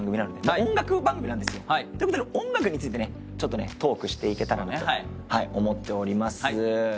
音楽番組なんですよ。ってことで音楽についてトークしていけたらなと思っております。